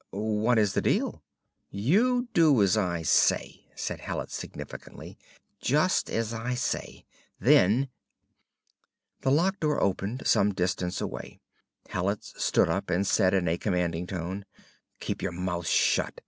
"What is the deal?" "You do as I say," said Hallet significantly. "Just as I say! Then ..." The lock door opened, some distance away. Hallet stood up and said in a commanding tone; "Keep your mouth shut.